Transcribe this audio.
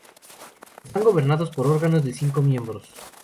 Están gobernados por órganos de cinco miembros.